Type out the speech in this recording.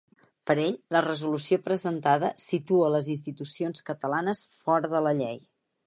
Per ell, la resolució presentada ‘situa les institucions catalanes fora de la llei’.